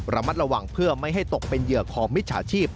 ระมัดระวังเพื่อไม่ให้ตกเป็นเหยื่อของมิจฉาชีพ